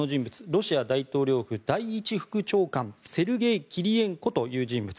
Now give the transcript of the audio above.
ロシア大統領府第一副長官セルゲイ・キリエンコという人物。